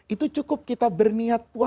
itu cukup kita berniat